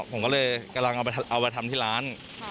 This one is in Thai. ผมก็เลยกำลังเอาไปทำที่ร้าน